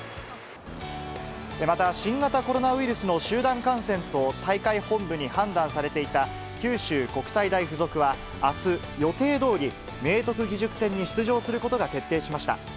また、新型コロナウイルスの集団感染と大会本部に判断されていた、九州国際大付属は、あす、予定どおり明徳義塾戦に出場することが決定しました。